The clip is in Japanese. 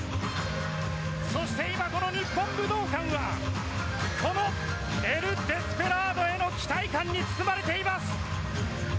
そして今この日本武道館はこのエル・デスペラードへの期待感に包まれています。